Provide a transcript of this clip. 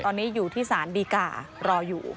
ตอนนี้อยู่ที่สารดีการ์รออยู่